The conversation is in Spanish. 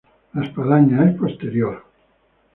La espadaña es posterior.